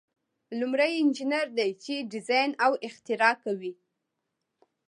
لومړی انجینر دی چې ډیزاین او اختراع کوي.